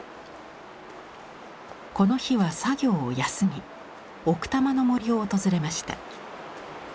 この日は作業を休み奥多摩の森を訪れました。